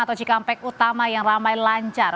atau cikampek utama yang ramai lancar